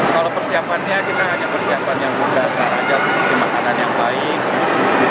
kalau persiapannya kita hanya persiapannya yang mudah sekarang aja harus memakannya yang baik